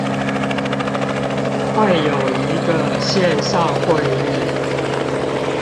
會有一個線上會議